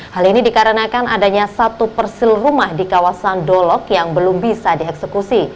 hal ini dikarenakan adanya satu persil rumah di kawasan dolok yang belum bisa dieksekusi